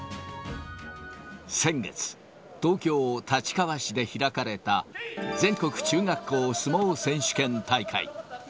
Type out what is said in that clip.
先月、東京・立川市で開かれた、全国中学校相撲選手権大会。